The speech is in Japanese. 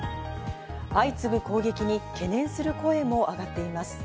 相次ぐ攻撃に懸念する声も上がっています。